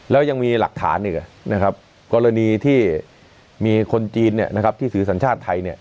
แล้วยังมีหลักฐานอีกนะครับกรณีที่มีคนจีนที่ถือสัญชาติไทย